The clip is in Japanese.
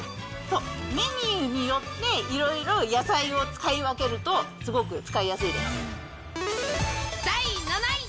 メニューによって、いろいろ野菜を使い分けると、すごく使いやすいです。